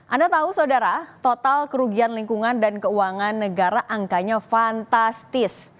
anda tahu saudara total kerugian lingkungan dan keuangan negara angkanya fantastis